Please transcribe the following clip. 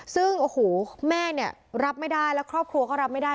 ซึ่งโอ้โหแม่เนี่ยรับไม่ได้แล้วครอบครัวก็รับไม่ได้